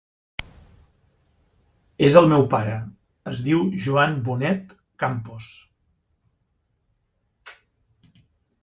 És el meu pare, es diu Joan Bonet Campos.